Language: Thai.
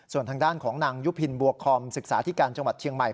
ส่วนทางด้านของนางยุพินบัวคอมศึกษาที่การจังหวัดเชียงใหม่